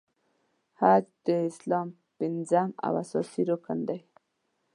حج د اسلام پنځم او اساسې رکن دی .